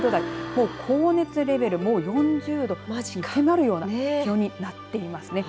もう高熱レベル４０度間近に迫るような気温になっていますね。